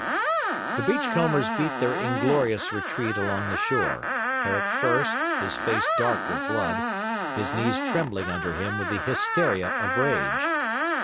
The beachcombers beat their inglorious retreat along the shore; Herrick first, his face dark with blood, his knees trembling under him with the hysteria of rage.